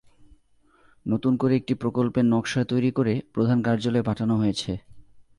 নতুন করে একটি প্রকল্পের নকশা তৈরি করে প্রধান কার্যালয়ে পাঠানো হয়েছে।